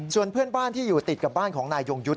ส่วนเพื่อนบ้านที่อยู่ติดกับบ้านของนายยงยุทธ์